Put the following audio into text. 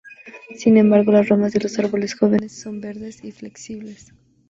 Sin embargo, las ramas de los árboles jóvenes son verdes y flexibles.